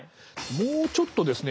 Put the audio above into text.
もうちょっとですね